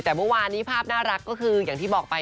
แต่เมื่อวานนี้ภาพน่ารักก็คืออย่างที่บอกไป